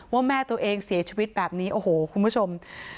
ว่าแม่ตัวเองเสียชีวิตแบบนี้โอ้โหคุณผู้ชม